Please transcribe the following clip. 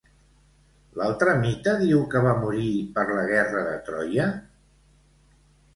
L'altre mite diu que va morir per la guerra de Troia?